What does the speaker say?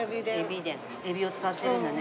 エビを使ってるんだね。